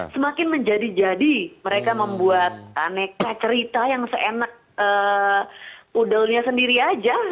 semakin menjadi jadi mereka membuat aneka cerita yang seenak udelnya sendiri aja